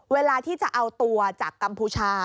เวลาที่จะเอาตัวจากกัมพูชา